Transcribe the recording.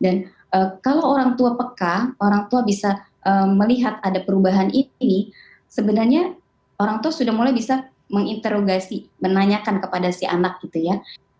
dan kalau orang tua peka orang tua bisa melihat ada perubahan ini sebenarnya orang tua sudah mulai bisa menginterogasi menanyakan kepada si anak gitu ya